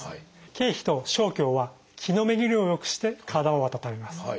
桂皮と生姜は「気」の巡りをよくして体を温めます。